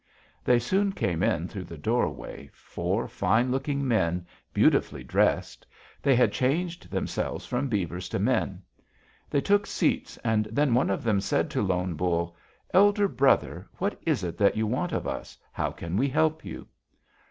"They soon came in through the doorway, four fine looking men, beautifully dressed. They had changed themselves from beavers to men. They took seats, and then one of them said to Lone Bull: 'Elder brother, what is it that you want of us? How can we help you?'